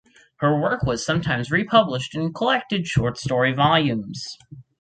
Her work was sometimes republished in collected short story volumes.